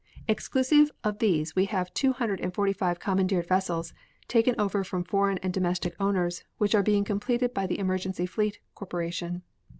Exclusive of these we have two hundred and forty five commandeered vessels, taken over from foreign and domestic owners which are being completed by the Emergency Fleet Corporation.